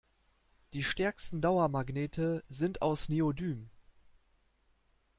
Die stärksten Dauermagnete sind aus Neodym.